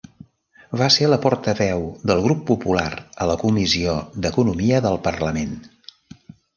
Va ser la portaveu del Grup Popular a la Comissió d'Economia del Parlament.